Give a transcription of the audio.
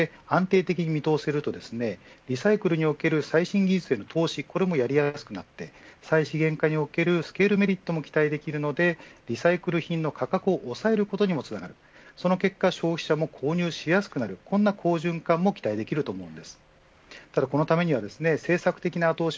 こういった回収のボリュームが確保できて安定的に見通せるとリサイクルにおける最新技術への投資もやりやすくなって再資源化におけるスケールメリットも期待できるのでリサイクル品の価格を抑えることにもつながるその結果、消費者も購入しやすくなるこんな好循環も期待できると思います。